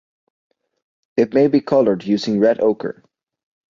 It may be colored using red ochre.